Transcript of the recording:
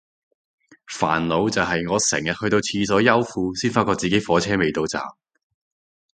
煩惱就係我成日去到廁所摳褲先發覺自己火車未到站